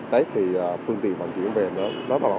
sinh viên ra học tập